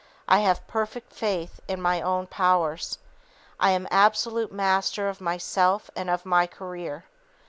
I have perfect faith in my own powers! I am absolute master of myself and of my career!"